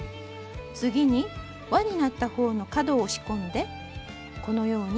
次にわになった方の角を押し込んでこのように折ります。